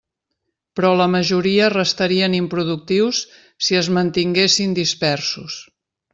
Però la majoria restarien improductius si es mantinguessin dispersos.